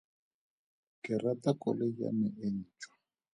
Ke rata koloi ya me e ntšhwa.